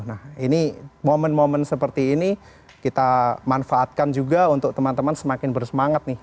nah ini momen momen seperti ini kita manfaatkan juga untuk teman teman semakin bersemangat nih